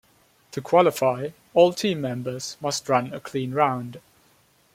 To qualify all team members must run a clean round.